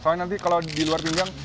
soalnya nanti kalau di luar pinjang